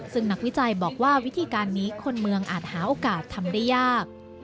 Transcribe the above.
ซึ่งนักวิจัยบอกว่าวิธีการนี้คนเมืองอาจหาโอกาสทำได้ยาก